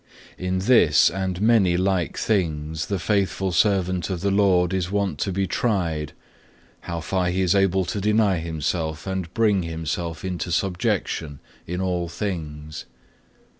In this and many like things the faithful servant of the Lord is wont to be tried, how far he is able to deny himself and bring himself into subjection in all things.